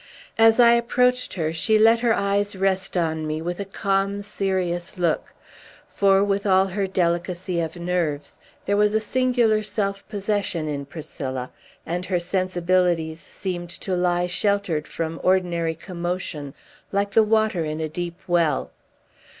As I approached her, she let her eyes rest on me with a calm, serious look; for, with all her delicacy of nerves, there was a singular self possession in Priscilla, and her sensibilities seemed to lie sheltered from ordinary commotion, like the water in a deep well.